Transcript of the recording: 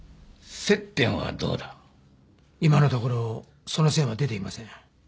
今のところその線は出ていません。